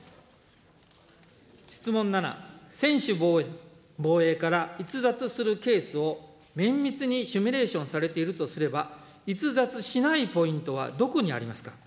質問７、専守防衛から逸脱するケースを綿密にシミュレーションされているとすれば、逸脱しないポイントはどこにありますか。